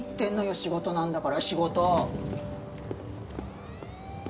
仕事なんだから仕事！